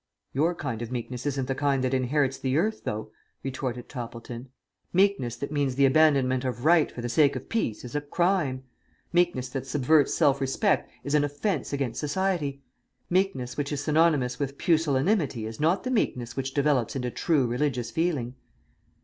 "Your kind of meekness isn't the kind that inherits the earth, though," retorted Toppleton. "Meekness that means the abandonment of right for the sake of peace is a crime. Meekness that subverts self respect is an offence against society. Meekness which is synonymous with pusillanimity is not the meekness which develops into true religious feeling."